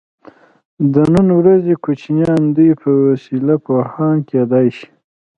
د نن ورځې کوچنیان د دوی په وسیله پوهان کیدای شي.